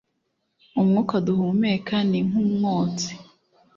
Umwuka duhumeka ni nk’umwotsi,